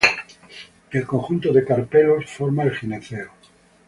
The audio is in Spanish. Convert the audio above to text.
El conjunto de carpelos forma el gineceo.